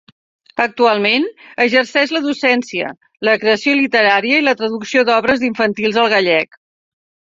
Actualment exerceix la docència, la creació literària i la traducció d'obres infantils al gallec.